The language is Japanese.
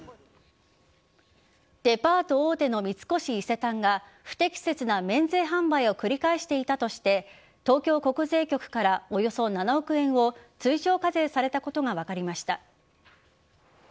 デパート大手の三越伊勢丹が不適切な免税販売を繰り返していたとして東京国税局から、およそ７億円を追徴課税されたことが分かりました。